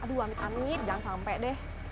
aduh amit amit jangan sampai deh